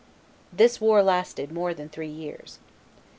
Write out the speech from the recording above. This war lasted more than three years.